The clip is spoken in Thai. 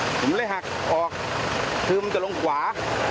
ผมเลยหักออกคือมันจะลงขวา